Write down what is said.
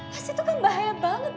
khas itu kan bahaya banget